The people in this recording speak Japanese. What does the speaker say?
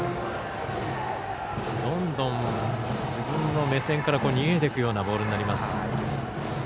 どんどん自分の目線から逃げていくようなボールになります。